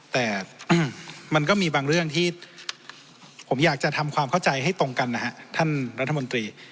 แต่มันก็มีบางเรื่องที่ผมอยากจะทำความเข้าใจให้ตรงกันนะฮะท่านรัฐมนตรี